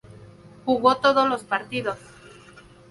Jugó todos los partidos.